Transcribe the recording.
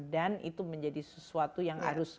dan itu menjadi sesuatu yang harus